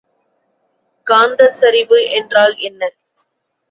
காந்தச்சரிவு என்றால் என்ன?